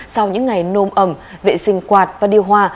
sau những ngày nôm ẩm vệ sinh quạt và điều hòa